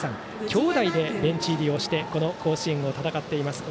兄弟でベンチ入りをしてこの甲子園を戦っています。